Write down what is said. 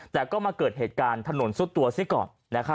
แต่ก็มาเกิดเหตุการณ์ถนนซุดตัวซิก่อน